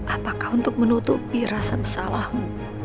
apakah untuk menutupi rasa bersalahmu